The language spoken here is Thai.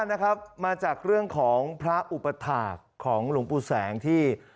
นะครับมาจากเรื่องของพระอุปถาคของหลวงปู่แสงที่